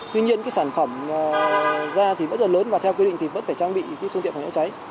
tuy nhiên sản phẩm ra vẫn lớn và theo quy định vẫn phải trang bị phương tiện phòng trái